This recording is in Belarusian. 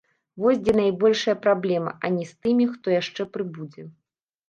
Вось дзе найбольшая праблема, а не з тымі, хто яшчэ прыбудзе.